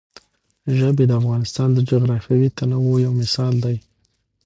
ژبې د افغانستان د جغرافیوي تنوع یو مثال دی.